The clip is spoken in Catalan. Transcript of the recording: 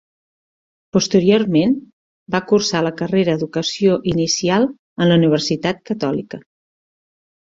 Posteriorment, va cursar la carrera Educació Inicial en la Universitat Catòlica.